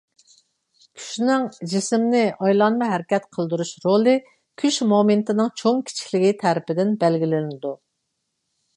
كۈچنىڭ جىسىمنى ئايلانما ھەرىكەت قىلدۇرۇش رولى كۈچ مومېنتىنىڭ چوڭ-كىچىكلىكى تەرىپىدىن بەلگىلىنىدۇ.